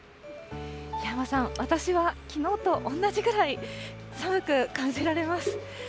檜山さん、私はきのうと同じぐらい、寒く感じられます。